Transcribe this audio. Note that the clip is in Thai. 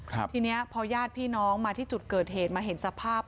ทีนี้พอญาติพี่น้องมาที่จุดเกิดเหตุมาเห็นสภาพ